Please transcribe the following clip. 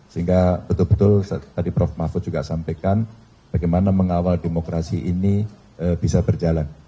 sehingga betul betul tadi prof mahfud juga sampaikan bagaimana mengawal demokrasi ini bisa berjalan